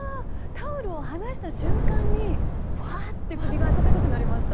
タオルを離した瞬間にふわって首が温かくなりました。